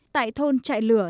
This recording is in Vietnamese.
tại thôn chạy lửa